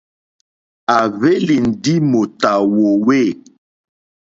À hwélì ndí mòtà wòòwê.